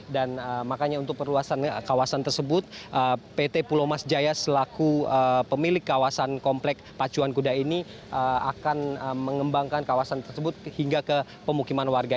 dan makanya untuk perluasan kawasan tersebut pt pulau mas jaya selaku pemilik kawasan komplek pacuan kuda ini akan mengembangkan kawasan tersebut hingga ke pemukiman warga